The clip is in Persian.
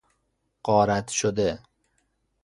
غارت شده